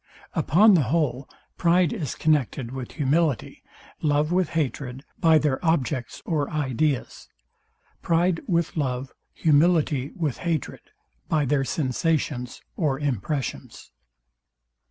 Upon the whole, pride is connected with humility, love with hatred, by their objects or ideas: Pride with love, humility with hatred, by their sensations or impressions.